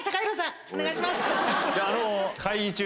お願いします。